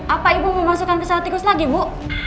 apa ibu mau masukkan ke sel tikus lagi bu